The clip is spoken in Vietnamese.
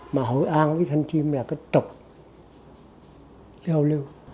mà hội an với thanh chiêm là cái trục giao lưu